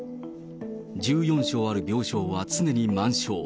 １４床ある病床は常に満床。